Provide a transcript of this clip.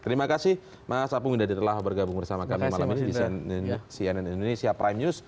terima kasih mas apung indadi telah bergabung bersama kami malam ini di cnn indonesia prime news